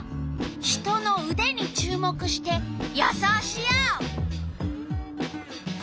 人のうでに注目して予想しよう。